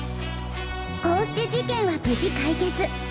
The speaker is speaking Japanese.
「こうして事件は無事解決。